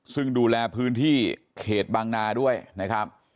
ซึ่งดูแลพื้นที่เขตบางนาด้วยนะครับ